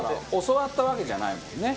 教わったわけじゃないもんね。